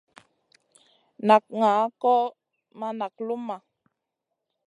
Nak ŋaʼa kò ma nak luma.